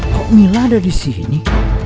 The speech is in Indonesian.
kok mila ada di sini